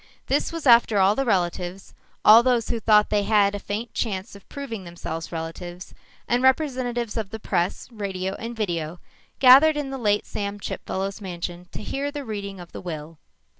This was after all the relatives, all those who thought they had a faint chance of proving themselves relatives, and representatives of the press, radio, and video, gathered in the late Sam Chipfellow's mansion to hear the reading of the will.